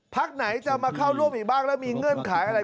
พักไหนจะมาเข้าร่วมอีกบ้างแล้วมีเงื่อนไขอะไร